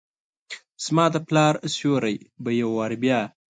زما دپلا ر سیوري به یووارې بیا،